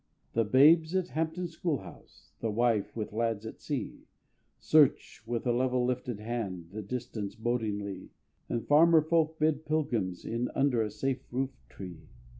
The babes at Hampton schoolhouse, The wife with lads at sea, Search with a level lifted hand The distance bodingly; And farmer folk bid pilgrims in Under a safe roof tree.